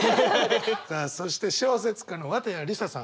さあそして小説家の綿矢りささん。